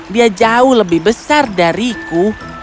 dia jauh lebih besar dariku